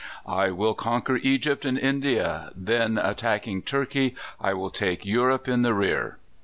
"I will conquer Egypt and India; then, attacking Turkey, I will take Europe in the rear."